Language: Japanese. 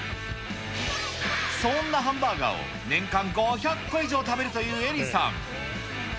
そんなハンバーガーを、年間５００個以上食べるというエリさん。